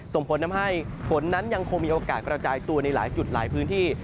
ส่งผลทำให้ฝนนั้นยังคงมีโอกาสกระจายตัวในหลายจุดหลายพื้นที่